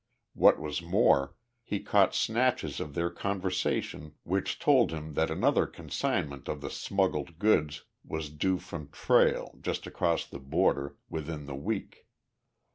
What was more, he caught snatches of their conversation which told him that another consignment of the smuggled goods was due from Trail, just across the border, within the week.